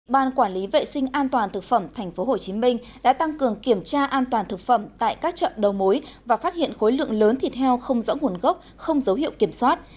ban quản lý vệ sinh an toàn thực phẩm tp hcm đã tăng cường kiểm tra an toàn thực phẩm tại các chợ đầu mối và phát hiện khối lượng lớn thịt heo không rõ nguồn gốc không dấu hiệu kiểm soát